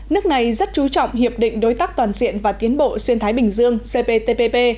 nước này rất chú trọng hiệp định đối tác toàn diện và tiến bộ xuyên thái bình dương cptpp